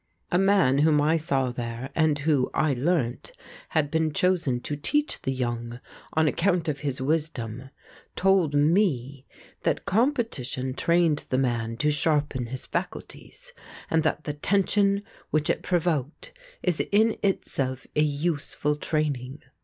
A man whom I saw there and who, I learnt, had been chosen to teach the young on account of his wisdom, told me that competition trained the man to sharpen his faculties; and that the tension which it provoked is in itself a useful training.